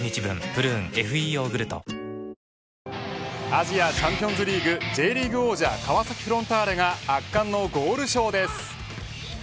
アジアチャンピオンズリーグＪリーグ王者川崎フロンターレが圧巻のゴールショーです。